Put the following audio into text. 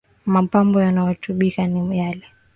Mapambo yanayotumika ni yale.